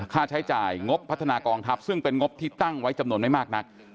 ค่าใช้จ่ายงบพัฒนากองทัพซึ่งเป็นงบที่ตั้งไว้จำนวนไม่มากนัก